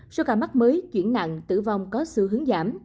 do cả mắt mới chuyển nặng tử vong có sự hướng giảm